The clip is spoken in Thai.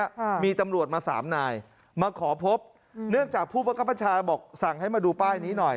ค่ะมีตำรวจมาสามนายมาขอพบเนื่องจากผู้ประคับประชาบอกสั่งให้มาดูป้ายนี้หน่อย